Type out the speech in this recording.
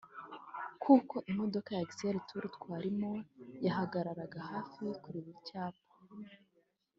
kuko imodoka ya Excel Tours twari mo yahagararaga hafi kuri buri cyapa